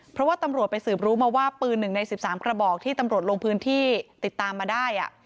เพราะว่าตำรวจไปสืบรู้มาว่าปืน๑ใน๑๓กระบอกที่ตำรวจลงพื้นที่ติดตามมาได้